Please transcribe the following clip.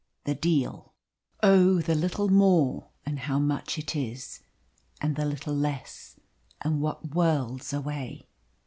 THE DEAL. Oh, the little more, and how much it is! And the little less, and what worlds away!